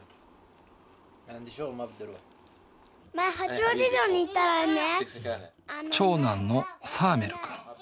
前八王子城に行ったらね。